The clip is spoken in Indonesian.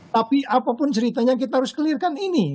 tapi apapun ceritanya kita harus clear kan ini